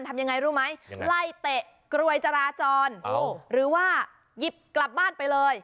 ทำยังไงรู้ไหมไล่เตะกรวยจราจรหรือว่าหยิบกลับบ้านไปเลย